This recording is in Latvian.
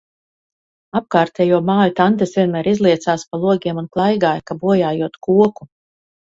Apkārtējo māju tantes vienmēr izliecās pa logiem un klaigāja, ka bojājot koku.